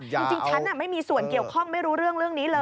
จริงฉันไม่มีส่วนเกี่ยวข้องไม่รู้เรื่องเรื่องนี้เลย